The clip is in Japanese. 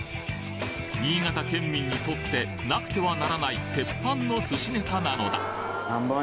新潟県民にとってなくてはならない鉄板の寿司ネタなのだえ？